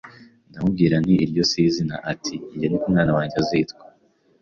" Ndamubwira nti iryo si izina!!Ati:" Njye niko umwana wanjye azitwa.